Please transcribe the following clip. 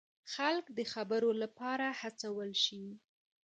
خلک دې د خبرو لپاره هڅول شي.